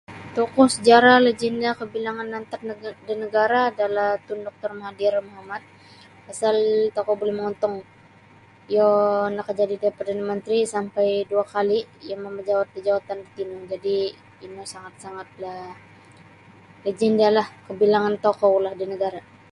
Tokoh sejarah lejenda kabilangan antad da nagara' adalah Tun Dr. Mahathir Mohamed pasal tokou buli mongontong iyo nakajadi da Perdana Menteri sampai dua kali iyo mamajawat da jawatan tatino jadi' ino sangat-sangatlah lejendalah kabilangan tokoulah di nagara'.